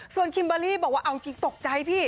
ส่วนคิมเบอร์รี่บอกว่าเอาจริงตกใจพี่